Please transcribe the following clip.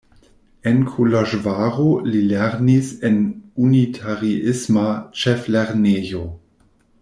En Koloĵvaro li lernis en unitariisma ĉeflernejo.